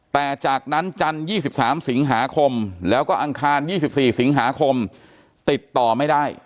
แต่จากนั้นจันทร์๒๓สิงหาคมแล้วก็อังคาร๒๔สิงหาคมติดต่อไม่ได้